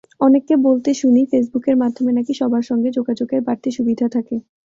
অনেককে বলতে শুনি, ফেসবুকের মাধ্যমে নাকি সবার সঙ্গে যোগাযোগের বাড়তি সুবিধা থাকে।